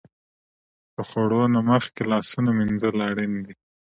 د خوړو نه مخکې لاسونه مینځل اړین دي.